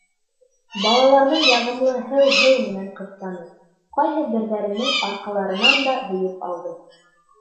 Балаларҙы яғымлы «һеү-һеү» менән ҡыҫтаны, ҡайһы берҙәренең арҡаларынан да һөйөп алды.